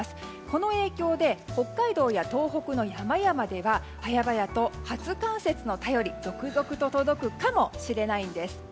この影響で北海道や東北の山々では早々と初冠雪の便り続々と届くかもしれないんです。